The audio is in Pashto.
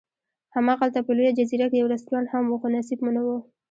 هماغلته په لویه جزیره کې یو رستورانت هم و، خو نصیب مو نه و.